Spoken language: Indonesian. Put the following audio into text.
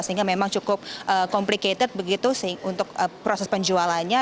sehingga memang cukup complicated begitu untuk proses penjualannya